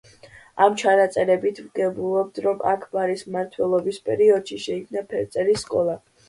ამ ჩანაწერებით ვგებულობთ, რომ აქბარის მმართველობის პერიოდში შეიქმნა ფერწერის სკოლა.